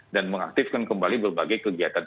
dan mengaktifkan kembali berbagai kegiatan